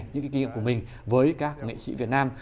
những cái kinh nghiệm của mình với các nghệ sĩ việt nam